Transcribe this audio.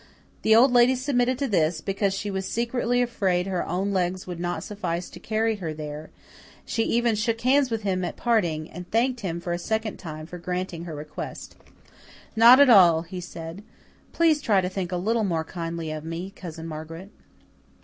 The Old Lady submitted to this, because she was secretly afraid her own legs would not suffice to carry her there; she even shook hands with him at parting, and thanked him a second time for granting her request. "Not at all," he said. "Please try to think a little more kindly of me, Cousin Margaret."